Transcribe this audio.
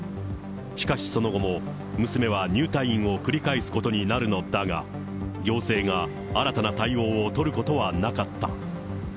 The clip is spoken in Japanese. しかしその後も、娘は入退院を繰り返すことになるのだが、行政が新たな対応を取ることはなかった。